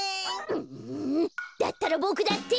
うだったらボクだって！